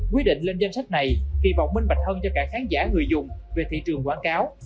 quy định lên danh sách này kỳ vọng minh bạch hơn cho cả khán giả người dùng về thị trường quảng cáo